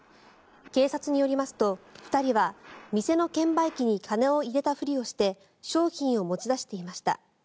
警察によりますと２人は店の券売機に金を入れたふりをして商品を持ち出していました。